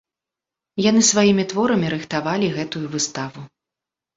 Яны сваімі творамі рыхтавалі гэтую выставу.